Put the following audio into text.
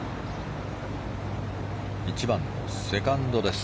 １番、セカンドです。